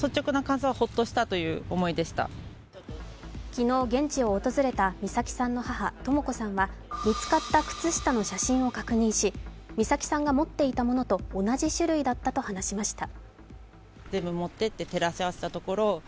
昨日、現地を訪れた美咲さんの母・とも子さんは見つかった靴下の写真を確認し、美咲さんが持っていたものと同じ種類だったと話しました。